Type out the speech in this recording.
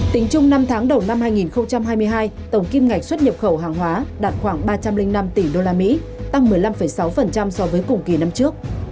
tính chung năm tháng đầu năm hai nghìn hai mươi hai tổng kim ngạch xuất nhập khẩu hàng hóa đạt khoảng ba trăm linh năm tỷ usd tăng một mươi năm sáu so với cùng kỳ năm trước